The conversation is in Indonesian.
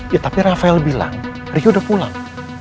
ya tapi rafael bilang rio udah pulang